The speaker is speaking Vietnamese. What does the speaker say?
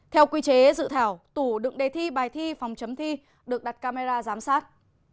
theo quy chế dự thảo tủ đựng đề thi bài thi phòng chấm thi được đặt camera giám sát